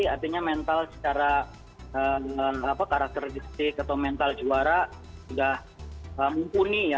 artinya mental secara karakteristik atau mental juara sudah mumpuni ya